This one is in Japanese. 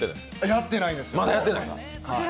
やってないです。